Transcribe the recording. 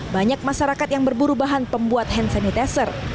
banyak masyarakat yang berburu bahan pembuat hand sanitizer